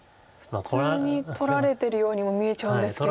普通に取られてるようにも見えちゃうんですけど。